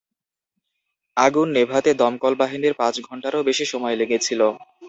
আগুন নেভাতে দমকল বাহিনীর পাঁচ ঘণ্টারও বেশি সময় লেগেছিল।